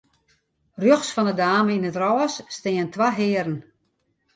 Rjochts fan 'e dame yn it rôs steane twa hearen.